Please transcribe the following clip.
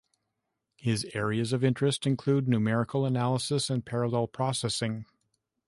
His areas of interest include numerical analysis and parallel processing.